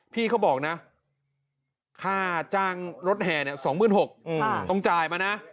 พี่เขาบอกนะค่าจ้างรถแห่๒๖๐๐ต้องจ่ายมานะ